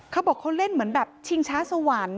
เขาบอกเขาเล่นเหมือนแบบชิงช้าสวรรค์